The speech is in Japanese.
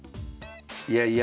いやいや。